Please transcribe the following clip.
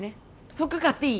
服買っていい？